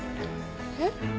えっ？